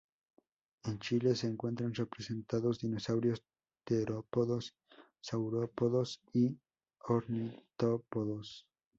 En Chile se encuentran representados dinosaurios terópodos, saurópodos y ornitópodos.